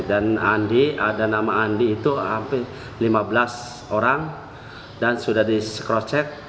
dan andi ada nama andi itu hampir lima belas orang dan sudah di crosscheck